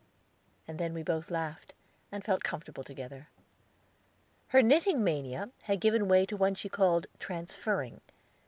And then we both laughed, and felt comfortable together. Her knitting mania had given way to one she called transferring.